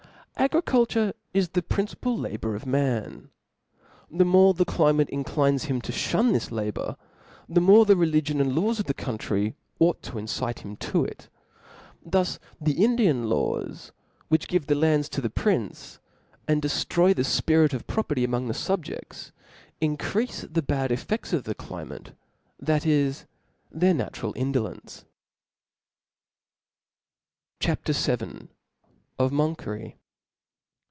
A Griculture is the principal labour of man. The ^^ more the climate inclines him to Ihun this labour, the niore 'the religion and laws of the country ought to excite him to it. Thus the In dian laws, which give the lands , to the prince, and deftroy the fpirit of property among the fub * jefts, increafe the bad efifefts of the climate, thai: is, their natural indolence, CHAP. VII. Of Monkery.